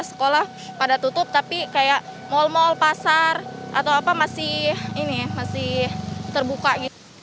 sekolah pada tutup tapi kayak mal mal pasar atau apa masih terbuka